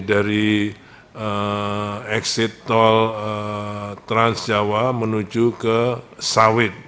dari exit tol transjawa menuju ke sawit